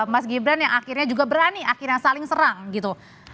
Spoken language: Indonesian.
mas gibran yang akhirnya juga berani akhirnya saling serang gitu